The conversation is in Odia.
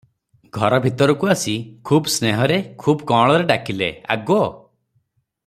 ଘର ଭିତରକୁ ଆସି ଖୁବ୍ ସ୍ନେହରେ ଖୁବ୍ କଅଁଳରେ ଡାକିଲେ, “ଆଗୋ!